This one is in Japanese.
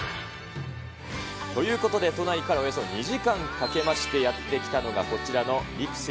ということで、都内からおよそ２時間かけましてやって来たのが、こちらのＬＩＸ